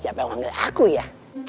siapa yang manggil aku ya